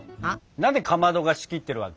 何でかまどが仕切ってるわけ？